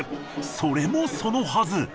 それもそのはず。